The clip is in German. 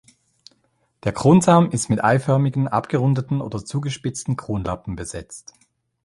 Der Kronsaum ist mit eiförmigen, abgerundeten oder zugespitzten Kronlappen besetzt.